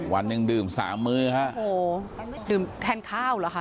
วันหนึ่งดื่มสามมื้อฮะโอ้โหดื่มแทนข้าวเหรอคะ